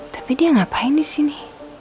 tapi dia ngapain di sini